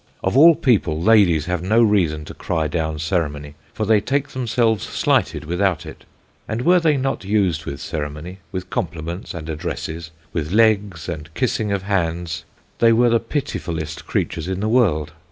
Of all people Ladies have no reason to cry down Ceremony, for they take themselves slighted without it. And were they not used with Ceremony, with Compliments and Addresses, with Legs and Kissing of Hands, they were the pitifullest Creatures in the World.